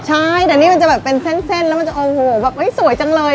ใช่แต่นี่มันจะแบบเป็นเส้นแล้วมันจะโอ้โหแบบสวยจังเลย